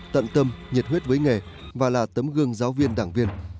tận tâm nhiệt huyết với nghề và là tấm gương giáo viên đảng viên